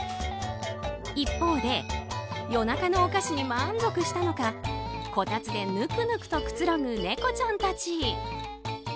一方で、夜中のお菓子に満足したのかこたつでぬくぬくとくつろぐネコちゃんたち。